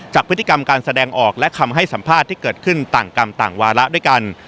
พฤติกรรมการแสดงออกและคำให้สัมภาษณ์ที่เกิดขึ้นต่างกรรมต่างวาระด้วยกัน